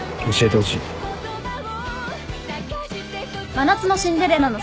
［『真夏のシンデレラ』の］